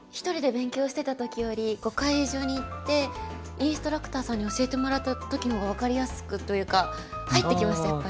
１人で勉強してた時より碁会所に行ってインストラクターさんに教えてもらった時の方が分かりやすくというか入ってきました